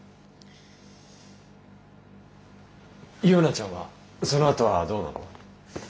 ユウナちゃんはそのあとはどうなの？